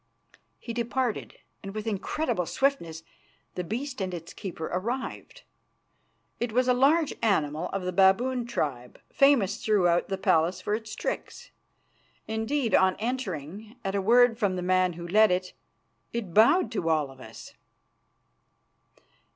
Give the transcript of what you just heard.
He departed, and with incredible swiftness the beast and its keeper arrived. It was a large animal of the baboon tribe, famous throughout the palace for its tricks. Indeed, on entering, at a word from the man who led it, it bowed to all of us.